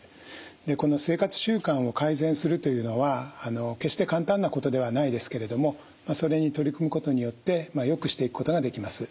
この生活習慣を改善するというのは決して簡単なことではないですけれどもそれに取り組むことによってよくしていくことができます。